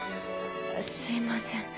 すいません